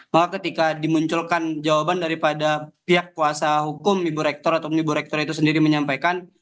maka ketika dimunculkan jawaban daripada pihak kuasa hukum ibu rektor atau ibu rektor itu sendiri menyampaikan